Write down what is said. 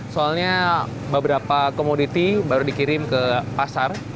soalnya beberapa komoditi baru dikirim ke pasar